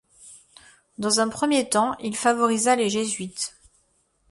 Dans un premier temps, il favorisa les Jésuites.